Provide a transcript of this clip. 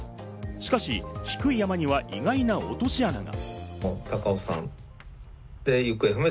しかし低い山には意外な落とし穴が。